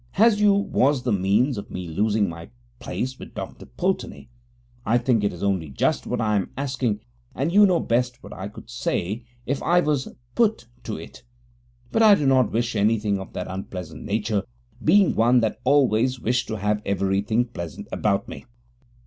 Has you was the Means of me losing my place with Dr Pulteney I think it is only just what I am asking and you know best what I could say if I was Put to it but I do not wish anything of that unpleasant Nature being one that always wish to have everything Pleasant about me.